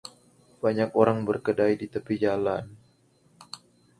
banyak orang berkedai di tepi jalan